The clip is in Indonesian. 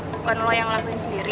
bukan lo yang lakuin sendiri